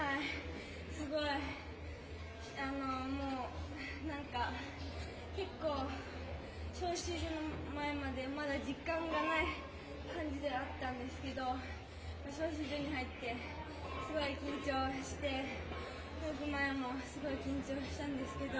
すごい、何か結構、招集所の前まではまだ実感がない感じだったんですが招集所に入ってすごい緊張して泳ぐ前もすごい緊張したんですけど